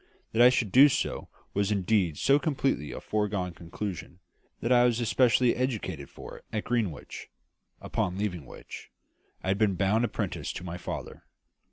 That I should do so was indeed so completely a foregone conclusion, that I was especially educated for it at Greenwich; upon leaving which, I had been bound apprentice to my father.